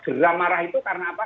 geram marah itu karena apa